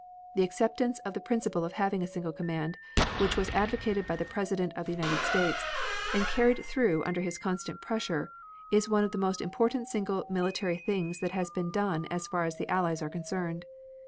The acceptance of the principle of having a single command, which was advocated by the President of the United States and carried through under his constant pressure, is one of the most important single military things that has been done as far as the Allies are concerned.